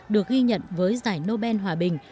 được ghi nhận với giải nobel hòa bình